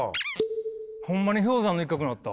ホンマに氷山の一角になった。